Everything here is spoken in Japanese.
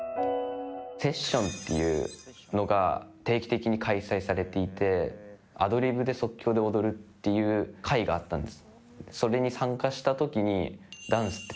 セッションっていうのが定期的に開催されていてアドリブで即興で踊るっていう会があったんです。